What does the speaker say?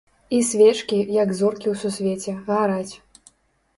І свечкі, як зоркі ў сусвеце, гараць.